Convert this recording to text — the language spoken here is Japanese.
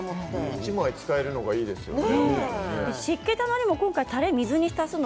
１枚使えるのがいいですよね。